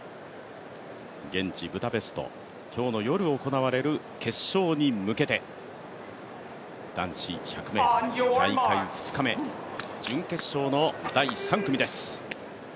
現地ブダペスト、今日の夜に行われる決勝に向けて男子１００ｍ、大会２日目、準決勝の第３組です。